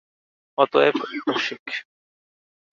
অতএব– রসিক।